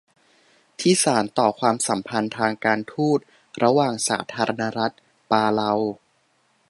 ที่สานต่อความสัมพันธ์ทางการฑูตระหว่างสาธารณรัฐปาเลา